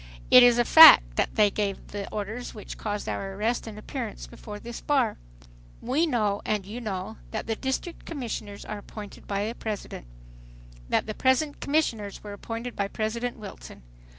It is a fact that they gave the orders which caused our arrest and appearance before this bar. "We know and you know, that the District Commissioners are appointed by the President, that the present commissioners were appointed by President Wilson.